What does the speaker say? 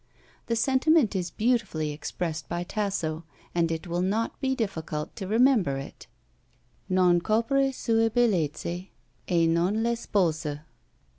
The sentiment is beautifully expressed by Tasso, and it will not be difficult to remember it: "Non copre sue bellezze, e non l'espose."